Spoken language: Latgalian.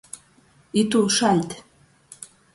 Ītūšaļt.